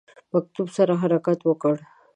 مکتوب سره حرکت وکړ.